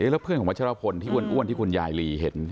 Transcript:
แล้วเพื่อนของวัชรพลที่อ้วนที่คุณยายลีเห็น